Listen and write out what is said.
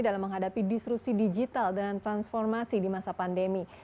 dalam menghadapi disrupsi digital dan transformasi di masa pandemi